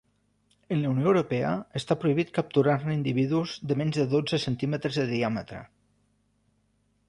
En la Unió Europea està prohibit capturar-ne individus de menys de dotze centímetres de diàmetre.